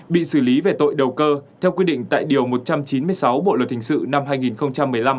bị xử lý về tội đầu cơ theo quy định tại điều một trăm chín mươi sáu bộ luật hình sự năm hai nghìn một mươi năm